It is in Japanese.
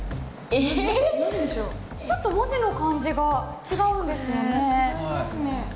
ちょっと文字の感じが違うんですよね。